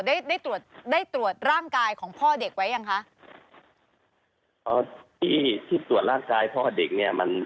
ใบตัวได้ตรวจร่างกายของพ่อเด็กไว้ยังคะที่ที่ตัวร่างกายพ่อเด็กอ่ะ